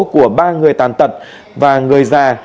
của ba người tàn tật và người già